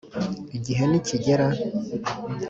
igihe nikigera?